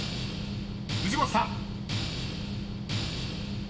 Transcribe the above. ［藤本さん］